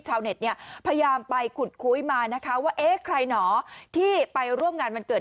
ชาวเน็ตเนี่ยพยายามไปขุดคุยมานะคะว่าเอ๊ะใครหนอที่ไปร่วมงานวันเกิด